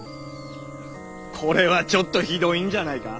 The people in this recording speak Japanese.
これはちょっとヒドいんじゃないか？